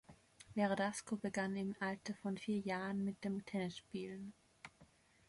Verdasco begann im Alter von vier Jahren mit dem Tennisspielen.